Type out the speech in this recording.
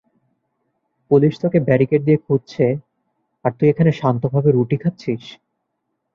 Police তোকে barricade দিয়ে খুঁজছে আর তুই এখানে শান্তভাবে রুটি খাচ্ছিস?